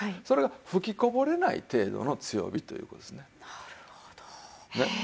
それが噴きこぼれない程度の強火という事ですね。